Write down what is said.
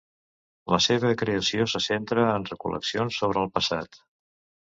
La seva creació se centra en recol·leccions sobre el passat.